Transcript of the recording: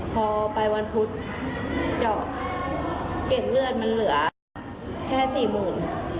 พอไปวันพุธเจาะเกร็ดเลือดมันเหลือแค่สี่หมื่น